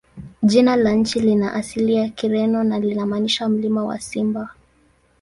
Jina la nchi lina asili ya Kireno na linamaanisha "Mlima wa Simba".